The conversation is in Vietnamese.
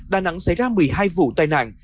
đà nẵng xảy ra một mươi hai vụ tai nạn